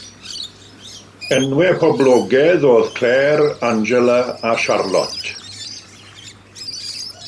Enwau poblogaidd oedd Claire, Angela a Charlotte.